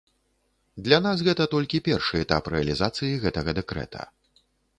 Для нас гэта толькі першы этап рэалізацыі гэтага дэкрэта.